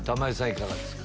いかがですか？